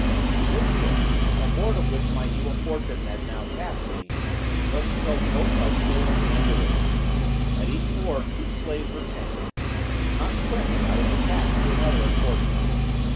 This ship, on board of which my evil fortune had now cast me, was propelled both by sails and oars; at each oar two slaves were chained: consequently I was attached to another unfortunate.